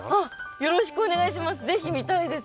よろしくお願いします。